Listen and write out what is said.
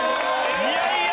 いやいや。